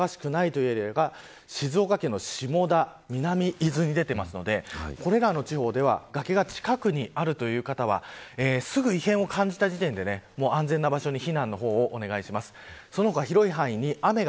土砂災害がいつ、どこで起きてもおかしくないというのが静岡県の下田、南伊豆に出ていますのでこれらの地方では崖が近くにあるという方はすぐに異変を感じた時点で安全な場所に避難をお願いします。